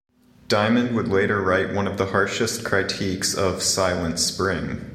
Diamond would later write one of the harshest critiques of "Silent Spring".